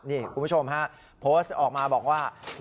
นี่คุณผู้ชมฮะโพสต์ออกมาบอกว่า